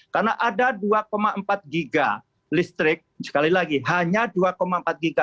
karena ada dua empat giga listrik sekali lagi hanya dua empat giga